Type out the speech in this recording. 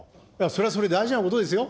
それはそれで大事なことですよ。